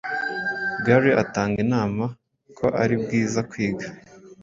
Gary atanga inama ko ari byiza kwiga